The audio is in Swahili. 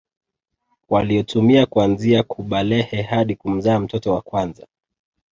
Waliotumia kuanzia kubalehe hadi kumzaa mtoto wa kwanza